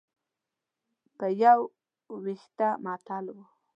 په یو وېښته معطل و.